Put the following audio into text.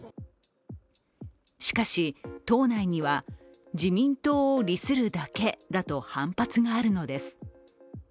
しかし党内には、自民党を利するだけだと反発があるのです。